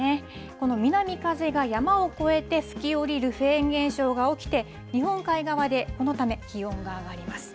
この南風が山を越えて、吹き降りるフェーン現象が起きて、日本海側でこのため、気温が上がります。